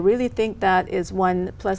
đây là nhà tôi